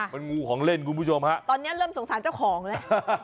มันงูของเล่นคุณผู้ชมฮะตอนนี้เริ่มสงสารเจ้าของแล้ว